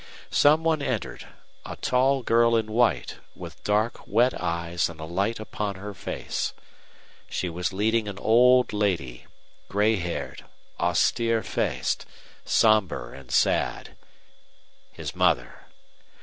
Some one entered a tall girl in white, with dark, wet eyes and a light upon her face. She was leading an old lady, gray haired, austere faced, somber and sad. His mother!